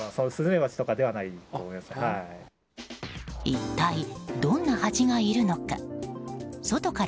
一体どんなハチがいるのか。